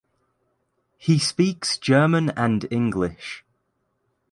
He speaks German and English.